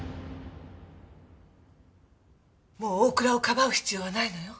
もう大倉をかばう必要はないのよ。